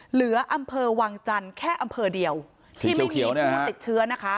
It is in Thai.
เหลืออำเภอวางจันทร์แค่อำเภอเดียวที่ไม่มีผู้ติดเชื้อนะคะ